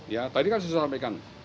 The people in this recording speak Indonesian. ya tadi kan sudah sampaikan